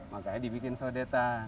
makanya dibikin saudetan